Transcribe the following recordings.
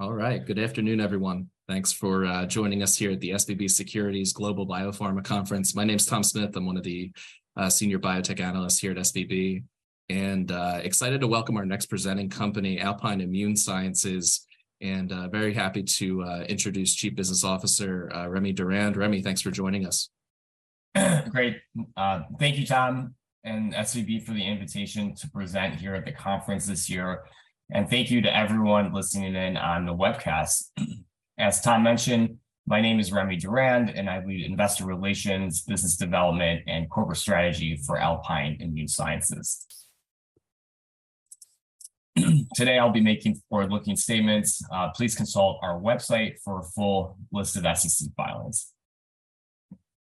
All right. Good afternoon, everyone. Thanks for joining us here at the SVB Securities Global Biopharma Conference. My name's Tom Smith. I'm one of the senior biotech analysts here at SVB, and excited to welcome our next presenting company, Alpine Immune Sciences, and very happy to introduce Chief Business Officer, Remy Durand. Remy, thanks for joining us. Great. Thank you, Tom and SVB for the invitation to present here at the conference this year. Thank you to everyone listening in on the webcast. As Tom mentioned, my name is Remy Durand, and I lead Investor Relations, Business Development, and Corporate Strategy for Alpine Immune Sciences. Today, I'll be making forward-looking statements. Please consult our website for a full list of SEC filings.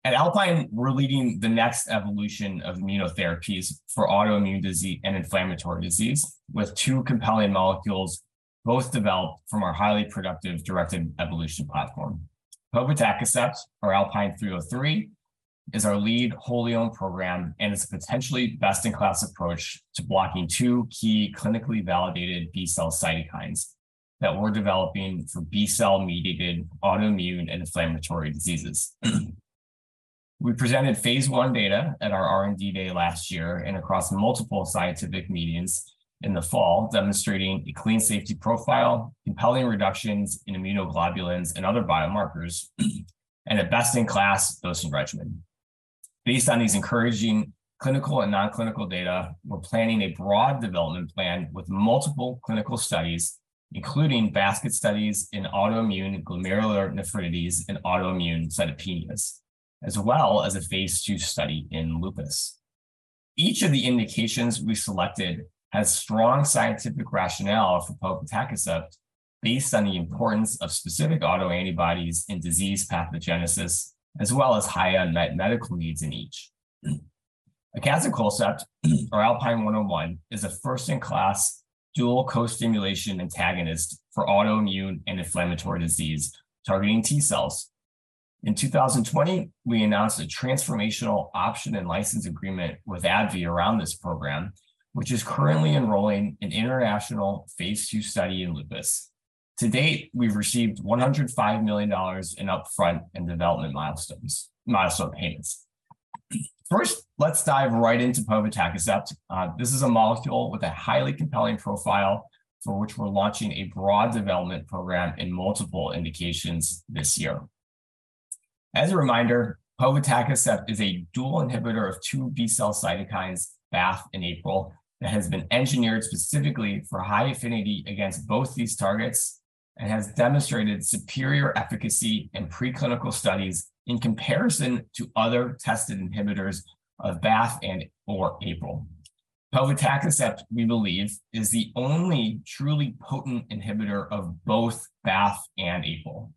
At Alpine, we're leading the next evolution of immunotherapies for autoimmune disease and inflammatory disease with two compelling molecules, both developed from our highly productive directed evolution platform. Povetacicept, or ALPN-303, is our lead wholly owned program, and it's a potentially best-in-class approach to blocking two key clinically validated B cell cytokines that we're developing for B cell mediated autoimmune and inflammatory diseases. We presented phase I data at our R&D day last year and across multiple scientific meetings in the fall, demonstrating a clean safety profile, compelling reductions in immunoglobulins and other biomarkers, and a best in class dosing regimen. Based on these encouraging clinical and non-clinical data, we're planning a broad development plan with multiple clinical studies, including basket studies in autoimmune glomerular nephritides and autoimmune cytopenias, as well as a phase II study in lupus. Each of the indications we selected has strong scientific rationale for povetacicept based on the importance of specific autoantibodies in disease pathogenesis, as well as high unmet medical needs in each. Acazicolcept, or ALPN-101, is a first in class dual costimulation antagonist for autoimmune and inflammatory disease targeting T cells. In 2020, we announced a transformational option and license agreement with AbbVie around this program, which is currently enrolling an international phase II study in lupus. To date, we've received $105 million in upfront and development milestones, milestone payments. First, let's dive right into povetacicept. This is a molecule with a highly compelling profile for which we're launching a broad development program in multiple indications this year. As a reminder, povetacicept is a dual inhibitor of two B cell cytokines, BAFF and APRIL, that has been engineered specifically for high affinity against both these targets and has demonstrated superior efficacy in preclinical studies in comparison to other tested inhibitors of BAFF and/or APRIL. Povetacicept, we believe, is the only truly potent inhibitor of both BAFF and APRIL.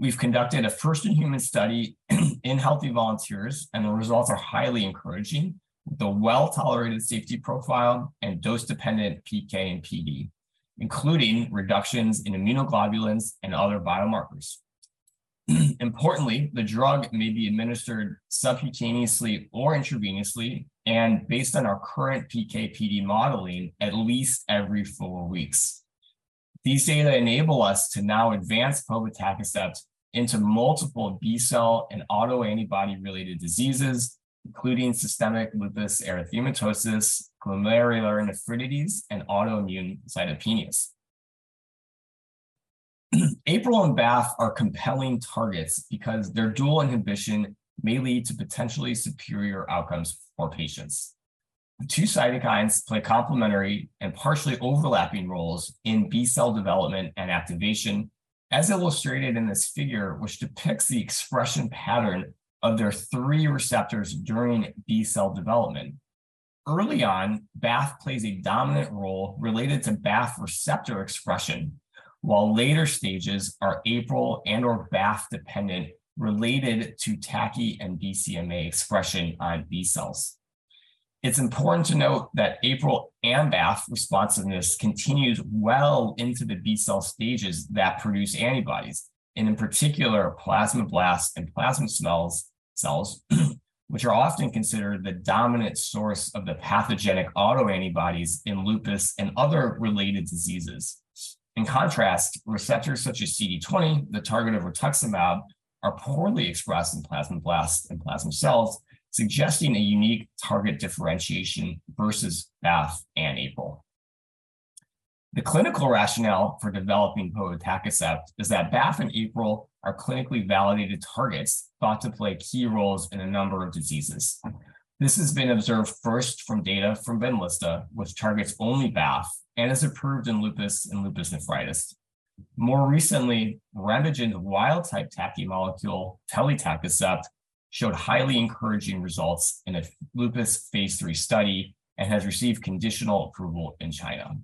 We've conducted a first in human study in healthy volunteers. The results are highly encouraging. The well-tolerated safety profile and dose-dependent PK and PD, including reductions in immunoglobulins and other biomarkers. Importantly, the drug may be administered subcutaneously or intravenously and based on our current PK/PD modeling at least every four weeks. These data enable us to now advance povetacicept into multiple B cell and autoantibody related diseases, including systemic lupus erythematosus, glomerular nephritides, and autoimmune cytopenias. APRIL and BAFF are compelling targets because their dual inhibition may lead to potentially superior outcomes for patients. The two cytokines play complementary and partially overlapping roles in B cell development and activation as illustrated in this figure, which depicts the expression pattern of their three receptors during B cell development. Early on, BAFF plays a dominant role related to BAFF receptor expression, while later stages are APRIL and/or BAFF dependent related to TACI and BCMA expression on B cells. It's important to note that APRIL and BAFF responsiveness continues well into the B cell stages that produce antibodies, and in particular plasmablasts and plasma cells, which are often considered the dominant source of the pathogenic autoantibodies in lupus and other related diseases. Receptors such as CD20, the target of rituximab, are poorly expressed in plasmablasts and plasma cells, suggesting a unique target differentiation versus BAFF and APRIL. The clinical rationale for developing povetacicept is that BAFF and APRIL are clinically validated targets thought to play key roles in a number of diseases. This has been observed first from data from BENLYSTA, which targets only BAFF and is approved in lupus and lupus nephritis. More recently, Regeneron wild-type TACI molecule, telitacicept, showed highly encouraging results in a lupus phase III study and has received conditional approval in China.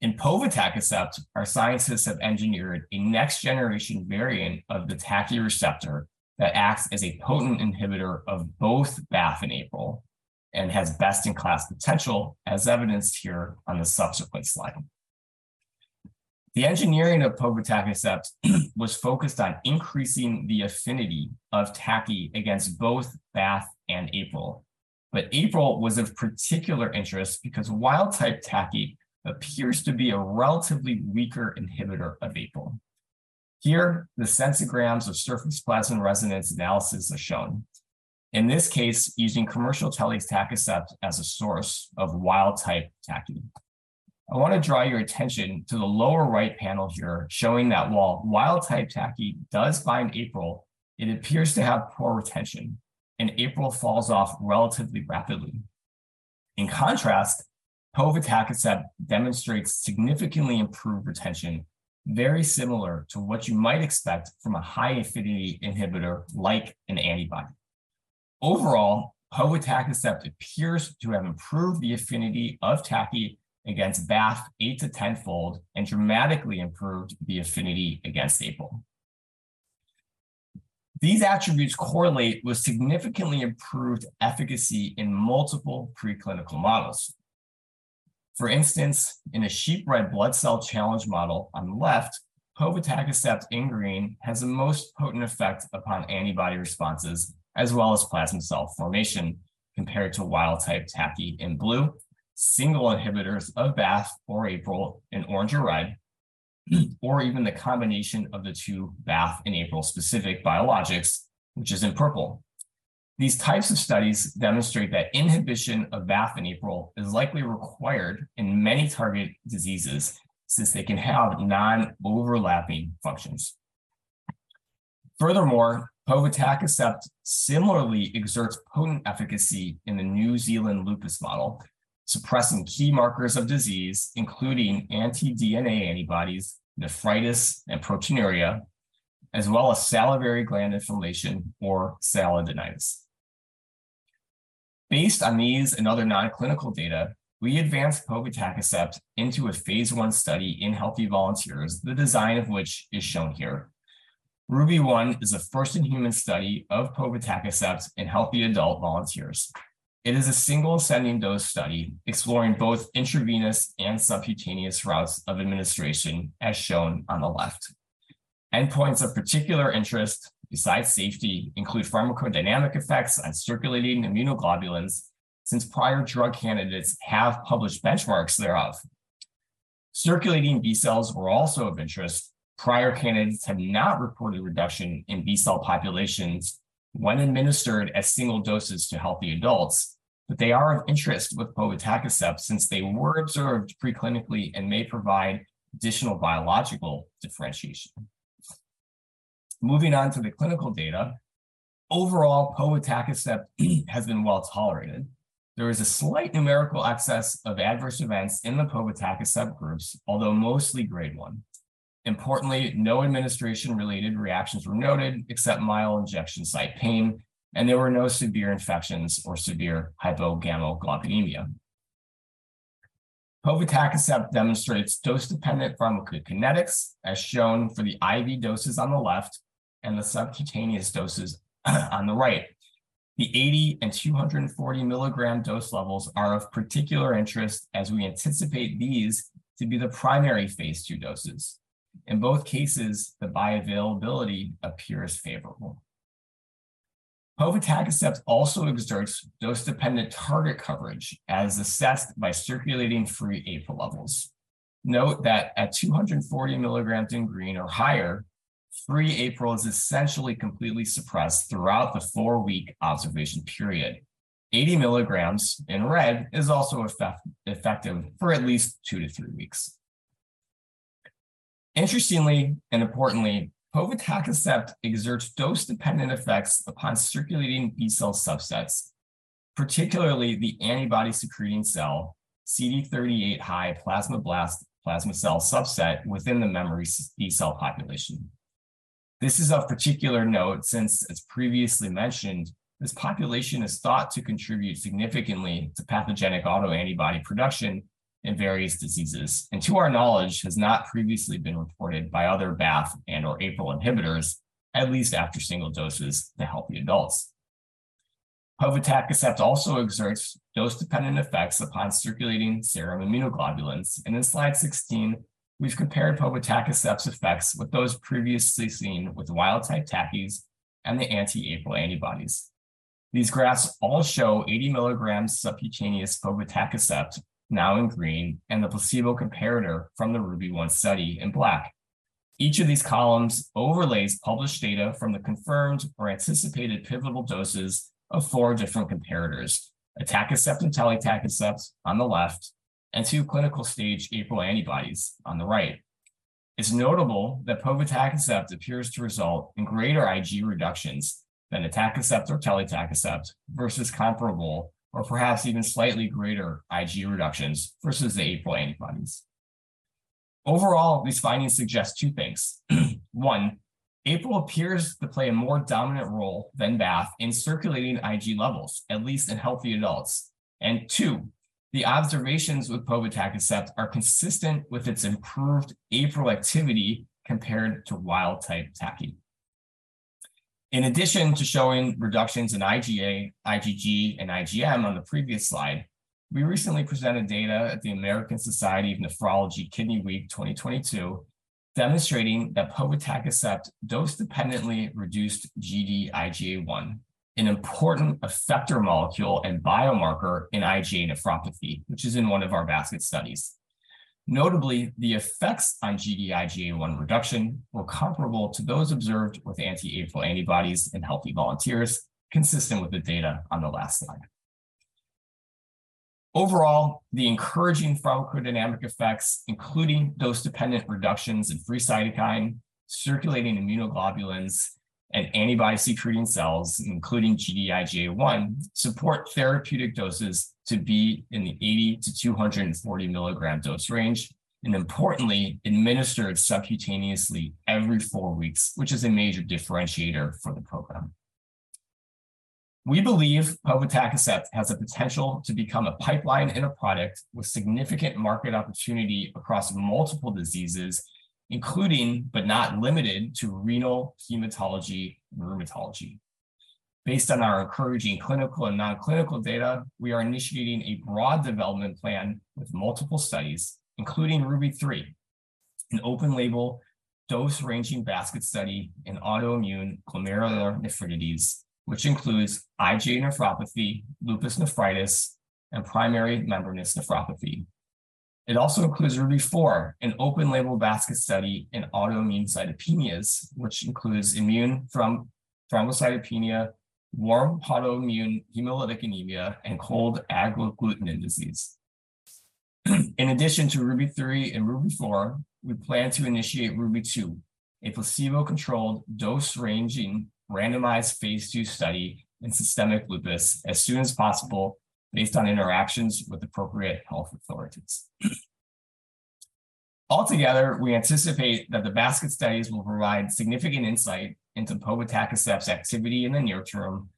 In povetacicept, our scientists have engineered a next generation variant of the TACI receptor that acts as a potent inhibitor of both BAFF and APRIL and has best in class potential as evidenced here on the subsequent slide. The engineering of povetacicept was focused on increasing the affinity of TACI against both BAFF and APRIL. APRIL was of particular interest because wild-type TACI appears to be a relatively weaker inhibitor of APRIL. Here, the sensograms of surface plasmon resonance analysis are shown. In this case, using commercial telitacicept as a source of wild-type TACI. I wanna draw your attention to the lower right panel here, showing that while wild-type TACI does bind APRIL, it appears to have poor retention, and APRIL falls off relatively rapidly. In contrast, povetacicept demonstrates significantly improved retention, very similar to what you might expect from a high-affinity inhibitor like an antibody. Overall, povetacicept appears to have improved the affinity of TACI against BAFF 8-10-fold and dramatically improved the affinity against APRIL. These attributes correlate with significantly improved efficacy in multiple preclinical models. For instance, in a sheep red blood cell challenge model on the left, povetacicept in green has the most potent effect upon antibody responses, as well as plasma cell formation compared to wild-type TACI in blue, single inhibitors of BAFF or APRIL in orange or red, or even the combination of the two BAFF and APRIL specific biologics, which is in purple. These types of studies demonstrate that inhibition of BAFF and APRIL is likely required in many target diseases since they can have non-overlapping functions. Furthermore, povetacicept similarly exerts potent efficacy in the New Zealand lupus model, suppressing key markers of disease, including anti-DNA antibodies, nephritis, and proteinuria, as well as salivary gland inflammation or sialadenitis. Based on these and other non-clinical data, we advanced povetacicept into a phase I study in healthy volunteers, the design of which is shown here. RUBY-1 is a first-in-human study of povetacicept in healthy adult volunteers. It is a single ascending dose study exploring both intravenous and subcutaneous routes of administration, as shown on the left. Endpoints of particular interest besides safety include pharmacodynamic effects on circulating immunoglobulins since prior drug candidates have published benchmarks thereof. Circulating B cells were also of interest. Prior candidates have not reported reduction in B cell populations when administered as single doses to healthy adults, but they are of interest with povetacicept since they were observed preclinically and may provide additional biological differentiation. Moving on to the clinical data, overall povetacicept has been well-tolerated. There is a slight numerical excess of adverse events in the povetacicept subgroups, although mostly grade 1. Importantly, no administration-related reactions were noted, except mild injection site pain, and there were no severe infections or severe hypogammaglobulinemia. povetacicept demonstrates dose-dependent pharmacokinetics as shown for the IV doses on the left and the subcutaneous doses on the right. The 80 mg and 240 mg dose levels are of particular interest as we anticipate these to be the primary phase II doses. In both cases, the bioavailability appears favorable. povetacicept also exerts dose-dependent target coverage as assessed by circulating free APRIL levels. Note that at 240 mg in green or higher, free APRIL is essentially completely suppressed throughout the four-week observation period. 80 mg in red is also effective for at least two to three weeks. Interestingly and importantly, povetacicept exerts dose-dependent effects upon circulating B cell subsets, particularly the antibody-secreting cell CD38 high plasmablast plasma cell subset within the memory B cell population. This is of particular note since, as previously mentioned, this population is thought to contribute significantly to pathogenic autoantibody production in various diseases, and to our knowledge, has not previously been reported by other BAFF and/or APRIL inhibitors, at least after single doses in healthy adults. povetacicept also exerts dose-dependent effects upon circulating serum immunoglobulins. In slide 16, we've compared povetacicept's effects with those previously seen with wild-type TACIs and the anti-APRIL antibodies. These graphs all show 80 mg subcutaneous povetacicept, now in green, and the placebo comparator from the RUBY-1 study in black. Each of these columns overlays published data from the confirmed or anticipated pivotal doses of four different comparators, atacicept and telitacicept on the left, and two clinical stage APRIL antibodies on the right. It's notable that povetacicept appears to result in greater IG reductions than tacicept or telitacicept versus comparable or perhaps even slightly greater IG reductions versus the APRIL antibodies. Overall, these findings suggest two things. One, APRIL appears to play a more dominant role than BAFF in circulating IG levels, at least in healthy adults. Two, the observations with povetacicept are consistent with its improved APRIL activity compared to wild-type TACI. In addition to showing reductions in IgA, IgG, and IgM on the previous slide, we recently presented data at the American Society of Nephrology Kidney Week 2022 demonstrating that povetacicept dose dependently reduced Gd-IgA1, an important effector molecule and biomarker in IgA nephropathy, which is in one of our basket studies. Notably, the effects on Gd-IgA1 reduction were comparable to those observed with anti-APRIL antibodies in healthy volunteers, consistent with the data on the last slide. Overall, the encouraging pharmacodynamic effects, including dose-dependent reductions in free cytokine, circulating immunoglobulins, and antibody-secreting cells, including Gd-IgA1, support therapeutic doses to be in the 80 mg to 240 mg dose range, and importantly, administered subcutaneously every four weeks, which is a major differentiator for the program. We believe povetacicept has a potential to become a pipeline end product with significant market opportunity across multiple diseases, including, but not limited to, renal, hematology, and rheumatology. Based on our encouraging clinical and non-clinical data, we are initiating a broad development plan with multiple studies, including RUBY-3, an open-label dose-ranging basket study in autoimmune glomerular nephritides, which includes IgA nephropathy, lupus nephritis, and primary membranous nephropathy. It also includes RUBY-4, an open-label basket study in autoimmune cytopenias, which includes immune thrombocytopenia, warm autoimmune hemolytic anemia, and cold agglutinin disease. In addition to RUBY-3 and RUBY-4, we plan to initiate RUBY-2, a placebo-controlled dose-ranging randomized phase II study in systemic lupus as soon as possible based on interactions with appropriate health authorities. Altogether, we anticipate that the basket studies will provide significant insight into povetacicept's activity in the near term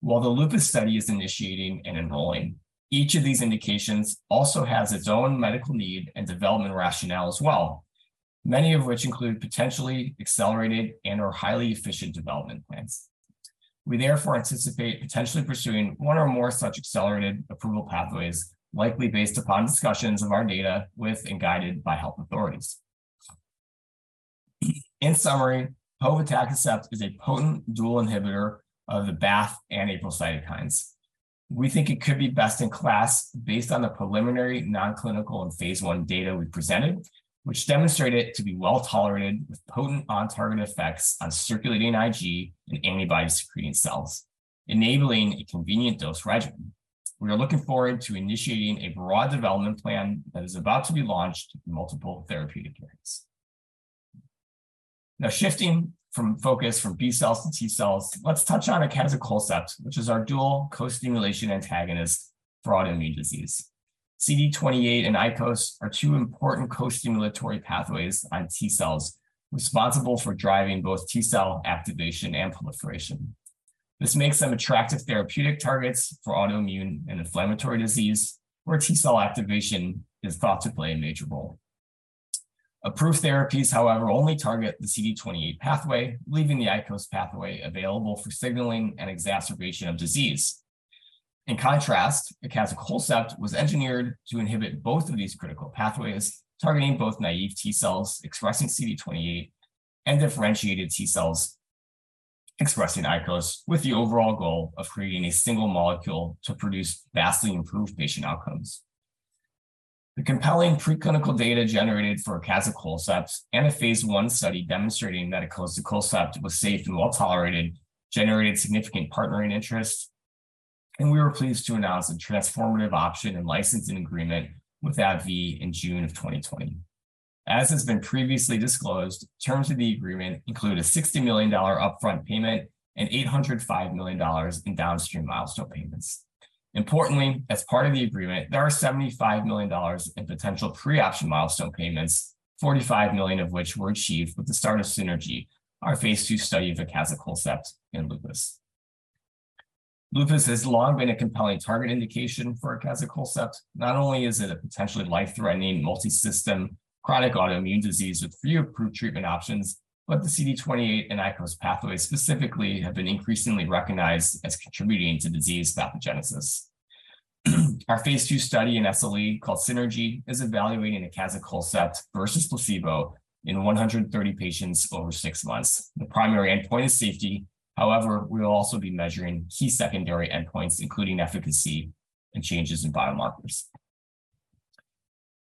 while the lupus study is initiating and enrolling. Each of these indications also has its own medical need and development rationale as well, many of which include potentially accelerated and/or highly efficient development plans. We therefore anticipate potentially pursuing one or more such accelerated approval pathways, likely based upon discussions of our data with and guided by health authorities. In summary, povetacicept is a potent dual inhibitor of the BAFF and APRIL cytokines. We think it could be best in class based on the preliminary non-clinical and phase I data we presented, which demonstrate it to be well-tolerated with potent on-target effects on circulating Ig and antibody-secreting cells, enabling a convenient dose regimen. We are looking forward to initiating a broad development plan that is about to be launched in multiple therapeutic areas. Shifting from focus from B cells to T cells, let's touch on acazicolcept, which is our dual costimulation antagonist broad immune disease. CD28 and ICOS are two important costimulatory pathways on T cells responsible for driving both T cell activation and proliferation. This makes them attractive therapeutic targets for autoimmune and inflammatory diseases, where T cell activation is thought to play a major role. Approved therapies, however, only target the CD28 pathway, leaving the ICOS pathway available for signaling and exacerbation of disease. In contrast, acazicolcept was engineered to inhibit both of these critical pathways, targeting both naive T cells expressing CD28 and differentiated T cells expressing ICOS, with the overall goal of creating a single molecule to produce vastly improved patient outcomes. The compelling preclinical data generated for acazicolcept and a phase I study demonstrating that acazicolcept was safe and well-tolerated generated significant partnering interest, and we were pleased to announce a transformative option and licensing agreement with AbbVie in June of 2020. As has been previously disclosed, terms of the agreement include a $60 million upfront payment and $805 million in downstream milestone payments. Importantly, as part of the agreement, there are $75 million in potential pre-option milestone payments, $45 million of which were achieved with the start of DENALI, our phase II study of acazicolcept in lupus. Lupus has long been a compelling target indication for acazicolcept. Not only is it a potentially life-threatening multi-system chronic autoimmune disease with few approved treatment options, but the CD28 and ICOS pathways specifically have been increasingly recognized as contributing to disease pathogenesis. Our phase II study in SLE called DENALI is evaluating acazicolcept versus placebo in 130 patients over six months. The primary endpoint is safety. However, we will also be measuring key secondary endpoints, including efficacy and changes in biomarkers.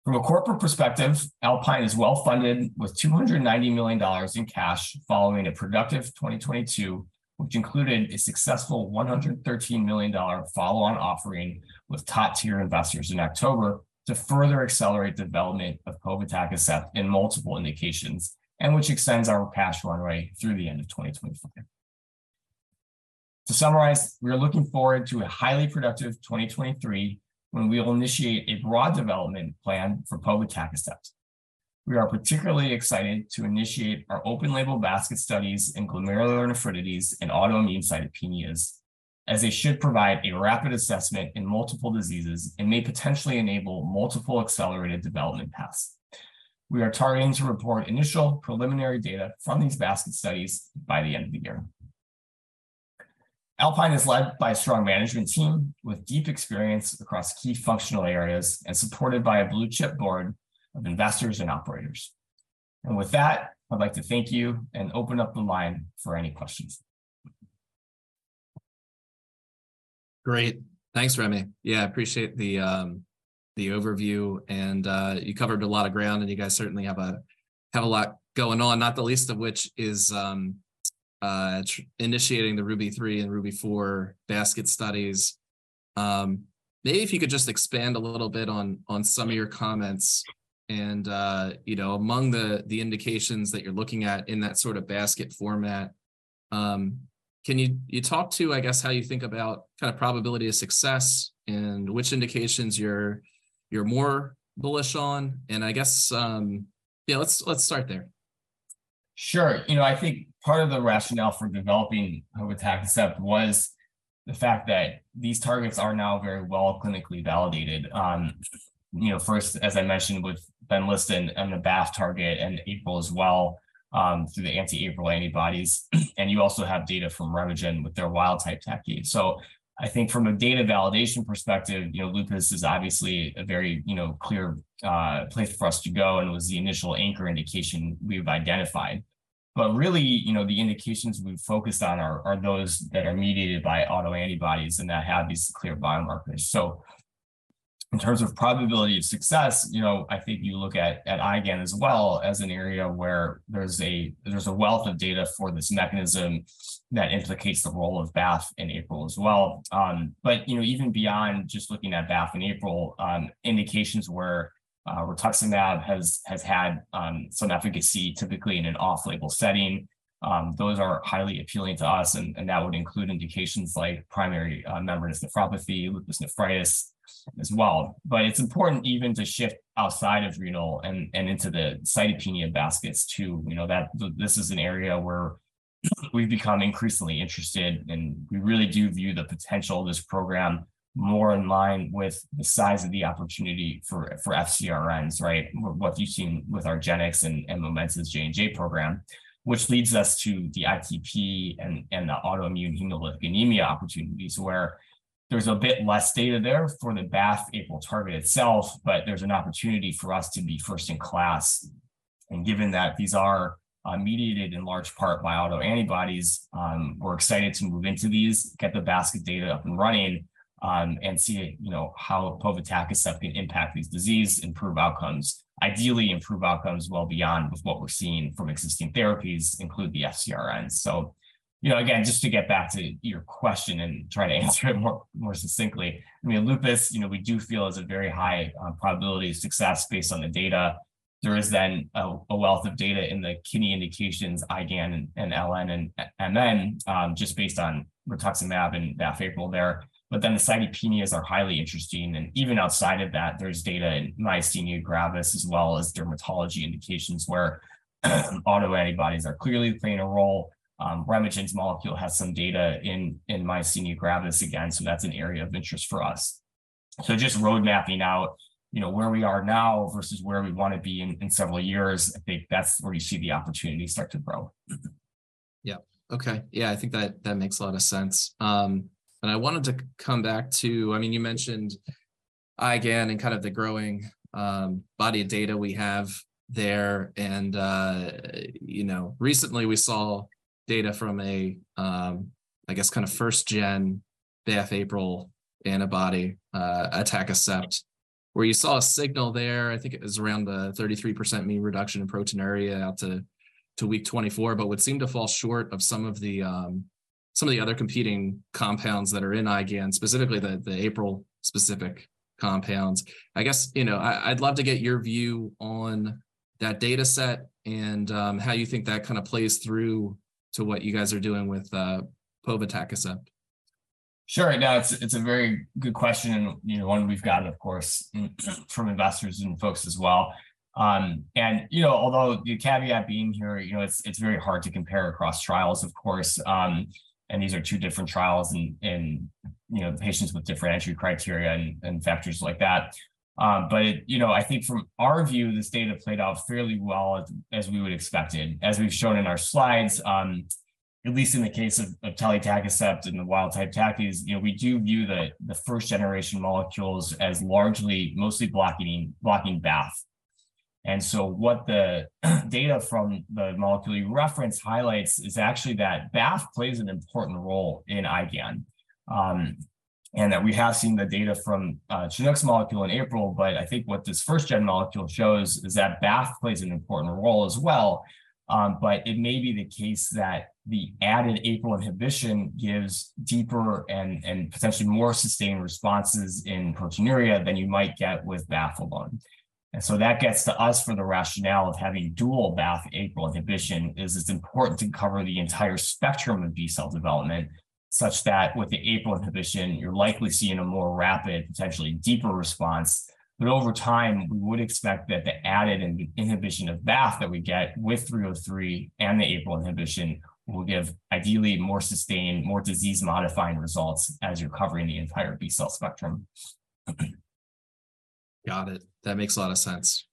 From a corporate perspective, Alpine is well-funded with $290 million in cash following a productive 2022, which included a successful $113 million follow-on offering with top-tier investors in October to further accelerate development of povetacicept in multiple indications and which extends our cash runway through the end of 2025. To summarize, we are looking forward to a highly productive 2023 when we will initiate a broad development plan for povetacicept. We are particularly excited to initiate our open-label basket studies in glomerular nephritides and autoimmune cytopenias, as they should provide a rapid assessment in multiple diseases and may potentially enable multiple accelerated development paths. We are targeting to report initial preliminary data from these basket studies by the end of the year. Alpine is led by a strong management team with deep experience across key functional areas and supported by a blue-chip board of investors and operators. With that, I'd like to thank you and open up the line for any questions. Great. Thanks, Remy. Yeah, appreciate the overview. You covered a lot of ground, and you guys certainly have a lot going on, not the least of which is, initiating the RUBY-3 and RUBY-4 basket studies. Maybe if you could just expand a little bit on some of your comments. You know, among the indications that you're looking at in that sort of basket format, can you talk to, I guess, how you think about kind of probability of success and which indications you're more bullish on? I guess, yeah, let's start there. Sure. You know, I think part of the rationale for developing povetacicept was the fact that these targets are now very well clinically validated on, you know, first, as I mentioned, with BENLYSTA and the BAFF target and APRIL as well, through the anti-APRIL antibodies. You also have data from RemeGen with their wild type TACI. I think from a data validation perspective, you know, Lupus is obviously a very, you know, clear place for us to go, and it was the initial anchor indication we've identified. Really, you know, the indications we've focused on are those that are mediated by autoantibodies and that have these clear biomarkers. In terms of probability of success, you know, I think you look at IgAN as well as an area where there's a wealth of data for this mechanism that implicates the role of BAFF and APRIL as well. You know, even beyond just looking at BAFF and APRIL, indications where rituximab has had some efficacy typically in an off-label setting, those are highly appealing to us, and that would include indications like primary membranous nephropathy, lupus nephritis as well. It's important even to shift outside of renal and into the cytopenia baskets too. You know, this is an area where we've become increasingly interested, and we really do view the potential of this program more in line with the size of the opportunity for FcRns, right? What you've seen with argenx and Momenta's J&J program, which leads us to the ITP and the autoimmune hemolytic anemia opportunities where there's a bit less data there for the BAFF APRIL target itself, but there's an opportunity for us to be first in class. Given that these are mediated in large part by autoantibodies, we're excited to move into these, get the basket data up and running, and see, you know, how povetacicept can impact this disease, improve outcomes, ideally improve outcomes well beyond with what we're seeing from existing therapies, include the FcRns. You know, again, just to get back to your question and try to answer it more succinctly, I mean, lupus, you know, we do feel is a very high probability of success based on the data. There is then a wealth of data in the kidney indications, IgAN and LN, and then just based on rituximab and BAFF APRIL there. The cytopenias are highly interesting, and even outside of that, there's data in myasthenia gravis as well as dermatology indications where autoantibodies are clearly playing a role. RemeGen's molecule has some data in myasthenia gravis again, so that's an area of interest for us. Just road mapping out, you know, where we are now versus where we wanna be in several years, I think that's where you see the opportunity start to grow. Yeah. Okay. Yeah, I think that makes a lot of sense. I wanted to come back to... I mean, you mentioned IgAN and kind of the growing body of data we have there and, you know, recently we saw data from a, I guess kind of first gen BAFF APRIL antibody, atacicept, where you saw a signal there, I think it was around the 33% mean reduction in proteinuria out to week 24, but what seemed to fall short of some of the other competing compounds that are in IgAN, specifically the APRIL-specific compounds. I guess, you know, I'd love to get your view on that data set and, how you think that kind of plays through to what you guys are doing with, povetacicept. Sure. No, it's a very good question, you know, one we've gotten, of course, from investors and folks as well. You know, although the caveat being here, you know, it's very hard to compare across trials, of course, and these are two different trials and, you know, patients with different entry criteria and factors like that. You know, I think from our view, this data played out fairly well as we would expect it. As we've shown in our slides, at least in the case of telitacicept and the wild type TACI is, you know, we do view the first generation molecules as largely mostly blocking BAFF. What the data from the molecule you referenced highlights is actually that BAFF plays an important role in IgAN, and that we have seen the data from Chinook's molecule in APRIL. I think what this first-gen molecule shows is that BAFF plays an important role as well, but it may be the case that the added APRIL inhibition gives deeper and potentially more sustained responses in proteinuria than you might get with BAFF alone. That gets to us for the rationale of having dual BAFF APRIL inhibition, is it's important to cover the entire spectrum of B cell development, such that with the APRIL inhibition, you're likely seeing a more rapid, potentially deeper response. Over time, we would expect that the added inhibition of BAFF that we get with ALPN-303 and the APRIL inhibition will give ideally more sustained, more disease-modifying results as you're covering the entire B cell spectrum. Got it. That makes a lot of sense.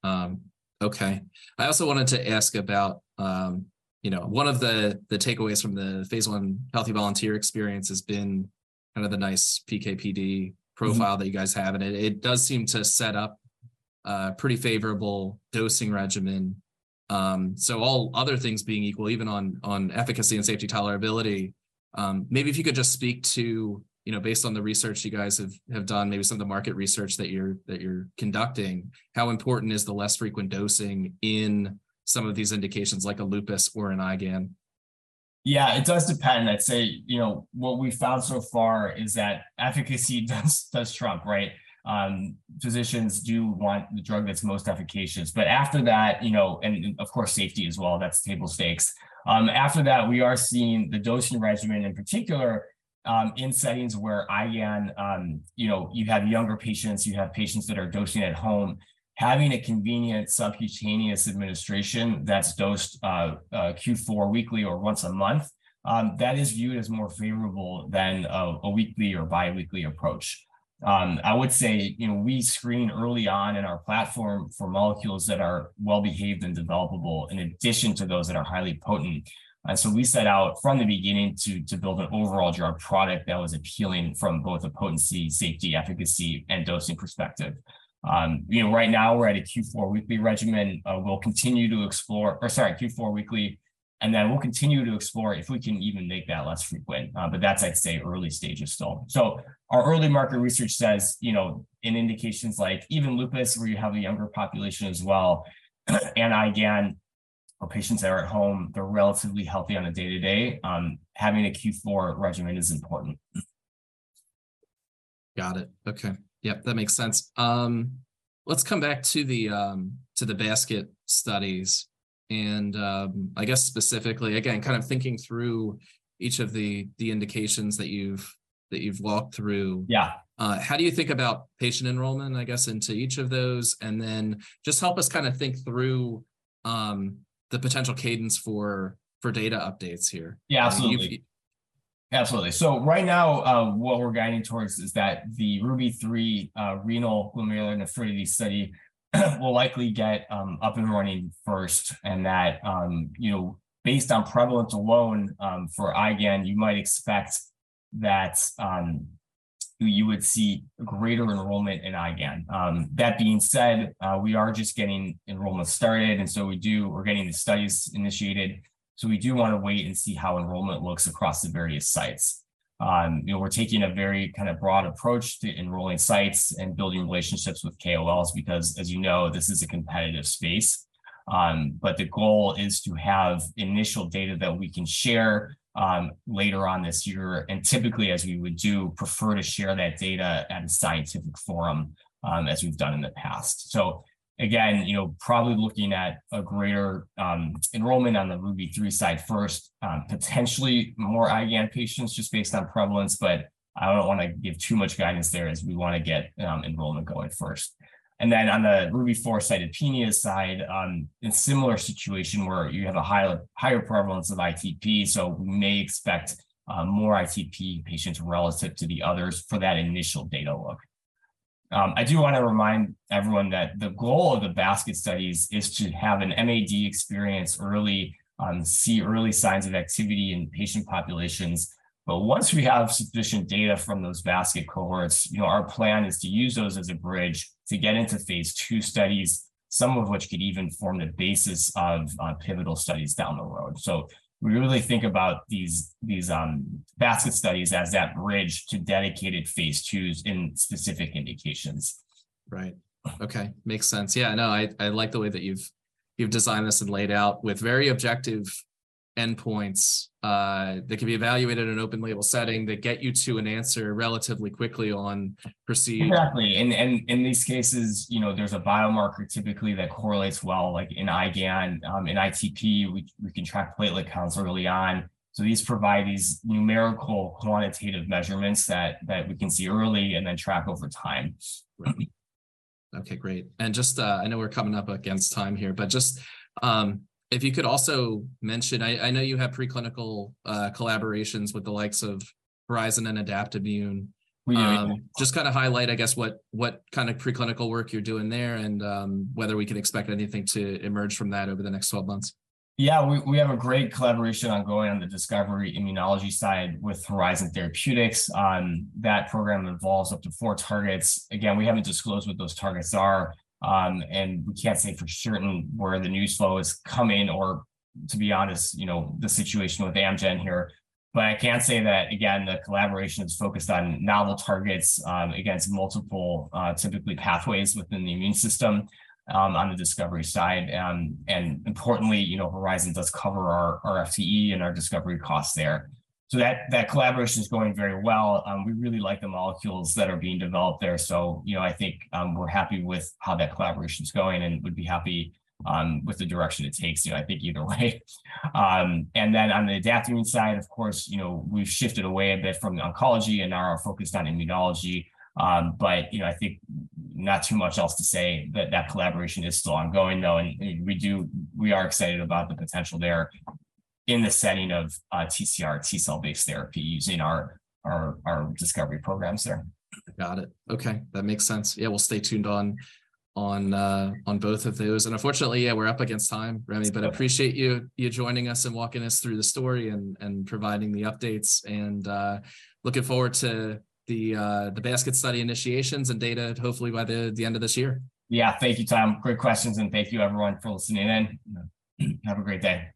Okay. I also wanted to ask about, you know, one of the takeaways from the phase I healthy volunteer experience has been kind of the nice PK/PD profile. Mm-hmm... that you guys have, and it does seem to set up a pretty favorable dosing regimen. All other things being equal, even on efficacy and safety tolerability, maybe if you could just speak to, you know, based on the research you guys have done, maybe some of the market research that you're conducting, how important is the less frequent dosing in some of these indications like a lupus or an IgAN? Yeah, it does depend. I'd say, you know, what we've found so far is that efficacy does trump, right? Physicians do want the drug that's most efficacious. After that, you know, and of course safety as well, that's table stakes. After that, we are seeing the dosing regimen in particular, in settings where IgAN, you know, you have younger patients, you have patients that are dosing at home. Having a convenient subcutaneous administration that's dosed, Q4 weekly or once a month, that is viewed as more favorable than a weekly or biweekly approach. I would say, you know, we screen early on in our platform for molecules that are well-behaved and developable in addition to those that are highly potent. We set out from the beginning to build an overall drug product that was appealing from both a potency, safety, efficacy, and dosing perspective. You know, right now we're at a Q4 weekly regimen, Q4 weekly, and then we'll continue to explore if we can even make that less frequent. But that's, I'd say, early stages still. Our early market research says, you know, in indications like even lupus where you have a younger population as well, and IgAN, or patients that are at home, they're relatively healthy on a day-to-day, having a Q4 regimen is important. Got it. Okay. Yep, that makes sense. Let's come back to the basket studies and, I guess specifically, again, kind of thinking through each of the indications that you've walked through. Yeah. How do you think about patient enrollment, I guess, into each of those? Just help us kind of think through the potential cadence for data updates here? Yeah, absolutely. You- Absolutely. Right now, what we're guiding towards is that the RUBY-3 renal autoimmune glomerulonephritis study will likely get up and running first, and that, you know, based on prevalence alone, for IgAN, you might expect that you would see greater enrollment in IgAN. That being said, we are just getting enrollment started and so We're getting the studies initiated, so we do wanna wait and see how enrollment looks across the various sites. You know, we're taking a very kind of broad approach to enrolling sites and building relationships with KOLs because as you know, this is a competitive space. The goal is to have initial data that we can share later on this year, and typically, as we would do, prefer to share that data at a scientific forum as we've done in the past. Again, you know, probably looking at a greater enrollment on the RUBY-3 side first, potentially more IgAN patients just based on prevalence, but I don't wanna give too much guidance there as we wanna get enrollment going first. Then on the RUBY-4 side, ITP side, in similar situation where you have a higher prevalence of ITP, so we may expect more ITP patients relative to the others for that initial data look. I do wanna remind everyone that the goal of the basket studies is to have an MAD experience early, see early signs of activity in patient populations. Once we have sufficient data from those basket cohorts, you know, our plan is to use those as a bridge to get into phase II studies, some of which could even form the basis of pivotal studies down the road. We really think about these basket studies as that bridge to dedicated phase IIs in specific indications. Right. Okay. Makes sense. Yeah. No, I like the way that you've designed this and laid out with very objective endpoints that can be evaluated in open label setting that get you to an answer relatively quickly. Exactly. In these cases, you know, there's a biomarker typically that correlates well, like in IgAN, in ITP, we can track platelet counts early on. These provide these numerical quantitative measurements that we can see early and then track over time. Right. Okay, great. Just, I know we're coming up against time here, but just, if you could also mention, I know you have preclinical collaborations with the likes of Horizon and Adaptimmune. We do, yeah. Just kind of highlight, I guess, what kind of preclinical work you're doing there and whether we can expect anything to emerge from that over the next 12 months. We have a great collaboration ongoing on the discovery immunology side with Horizon Therapeutics. That program involves up to four targets. Again, we haven't disclosed what those targets are, and we can't say for certain where the news flow is coming or to be honest, you know, the situation with Amgen here. I can say that again, the collaboration is focused on novel targets, against multiple, typically pathways within the immune system, on the discovery side. And importantly, you know, Horizon does cover our FTE and our discovery costs there. That collaboration is going very well. We really like the molecules that are being developed there, so you know, I think, we're happy with how that collaboration's going and would be happy with the direction it takes, you know, I think either way. On the Adaptimmune side, of course, you know, we've shifted away a bit from the oncology and are focused on immunology. I think not too much else to say, but that collaboration is still ongoing though, and we are excited about the potential there in the setting of TCR T cell based therapy using our discovery programs there. Got it. Okay. That makes sense. Yeah, we'll stay tuned on, on both of those. Unfortunately, yeah, we're up against time, Remy. It's good. Appreciate you joining us and walking us through the story and providing the updates and looking forward to the basket study initiations and data hopefully by the end of this year. Yeah. Thank you, Tom. Great questions, and thank you everyone for listening in. Have a great day.